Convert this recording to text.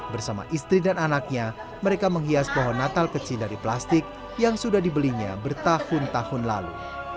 bersama istri dan anaknya mereka menghias pohon natal kecil dari plastik yang sudah dibelinya bertahun tahun lalu